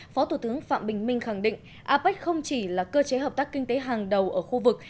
phó thủ tướng phạm bình minh khẳng định apec không chỉ là cơ chế hợp tác kinh tế hàng đầu ở khu vực